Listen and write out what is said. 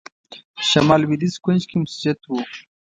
شمال لوېدیځ کونج کې مسجد و.